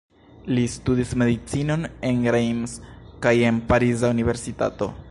Li studis medicinon en Reims kaj en pariza universitato.